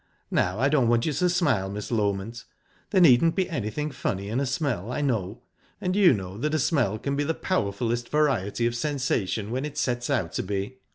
Now, I don't want you to smile, Miss Loment. There needn't be anything funny in a smell. I know, and you know, that a smell can be the powerfullest variety of sensation, when it sets out to be.